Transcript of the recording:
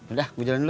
udah gue jalan dulu